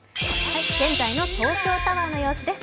現在の東京タワーの様子です。